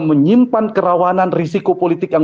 menyimpan kerawanan risiko politik yang